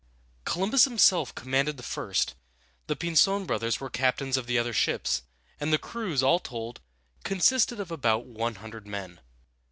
Columbus himself commanded the first, the Pinzon brothers were captains of the other ships, and the crews, all told, consisted of about one hundred men.